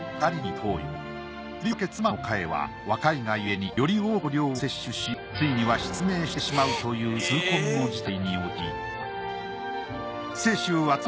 とりわけ妻の加恵は若いがゆえにより多くの量を摂取しついには失明してしまうという痛恨の事態に陥った。